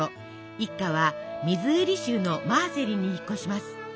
一家はミズーリ州のマーセリンに引っ越します。